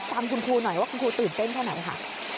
ฟังคุณครูหน่อยว่าคุณครูตื่นเต้นแค่ไหนค่ะ